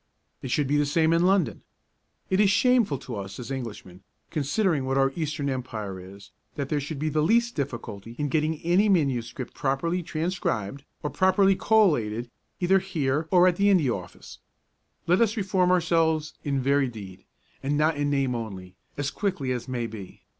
It should be the same in London. It is shameful to us as Englishmen, considering what our Eastern Empire is, that there should be the least difficulty in getting any MS. properly transcribed or properly collated either here or at the India Office. Let us reform ourselves in very deed, and not in name only, as quickly as may be.